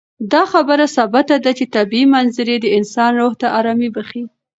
دا خبره ثابته ده چې طبیعي منظرې د انسان روح ته ارامي بښي.